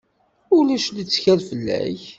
Ulac lettkal fell-ak.